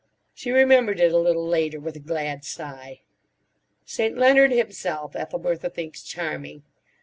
She remembered it a little later with a glad sigh. St. Leonard himself, Ethelbertha thinks charming.